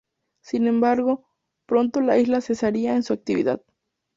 Sin embargo, pronto la isla cesaría en su actividad.